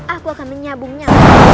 aku akan menyabungnya